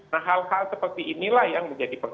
nah hal hal seperti inilah yang menjadi